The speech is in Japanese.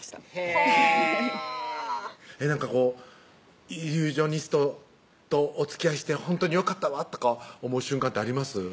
へぇはぁなんかこうイリュージョニストとおつきあいしてほんとによかったわとか思う瞬間ってあります？